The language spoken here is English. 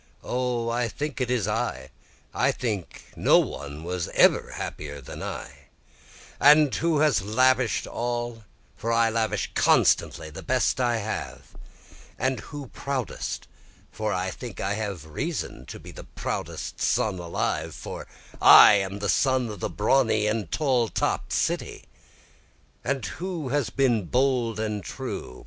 O I think it is I I think no one was ever happier than I, And who has lavish'd all? for I lavish constantly the best I have, And who proudest? for I think I have reason to be the proudest son alive for I am the son of the brawny and tall topt city, And who has been bold and true?